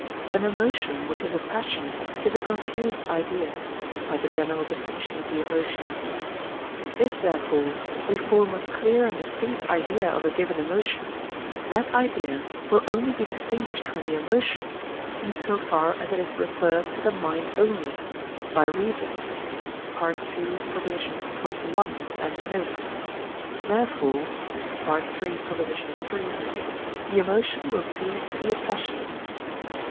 An emotion, which is a passion, is a confused idea (by the general Def. of the Emotions). If, therefore, we form a clear and distinct idea of a given emotion, that idea will only be distinguished from the emotion, in so far as it is referred to the mind only, by reason (II. xxi., and note); therefore (III. iii.), the emotion will cease to be a passion.